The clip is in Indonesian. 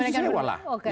ya kantor susun sewa lah